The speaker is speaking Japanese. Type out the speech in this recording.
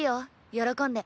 喜んで。